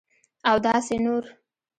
اوداسي نور